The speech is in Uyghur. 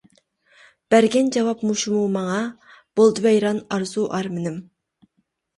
بەرگەن جاۋاب مۇشۇمۇ ماڭا؟ بولدى ۋەيران ئارزۇ-ئارمىنىم.